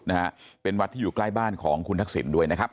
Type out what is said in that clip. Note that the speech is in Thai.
ชินวัดตั้งแต่บรรพบุรุษนะฮะเป็นวัดที่อยู่ใกล้บ้านของคุณทักษิณด้วยนะครับ